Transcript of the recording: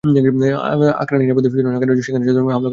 তাদের নিরাপদে সরিয়ে নেওয়ার আগে সেখানে ব্যাপকভাবে হামলা করা সম্ভব নয়।